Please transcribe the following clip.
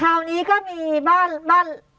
คราวนี้ก็มีบ้าน